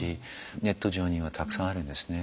ネット上にはたくさんあるんですね。